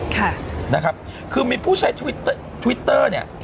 ค่ะนะครับคือมีผู้ใช้ทวิตทวิตเตอร์เนี่ย